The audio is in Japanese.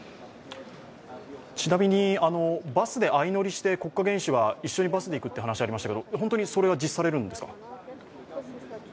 ちなみに、バスで相乗りして国家元首が一緒にバスで行くという話がありましたけど、本当にそれは実施されるんですか？